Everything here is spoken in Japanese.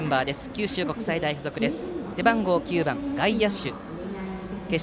九州国際大付属です。